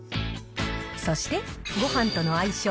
そして、ごはんとの相性